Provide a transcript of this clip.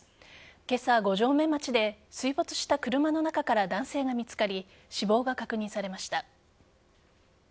今朝、五城目町で水没した車の中から男性が見つかり死亡が確認されました。